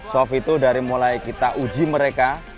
soft itu dari mulai kita uji mereka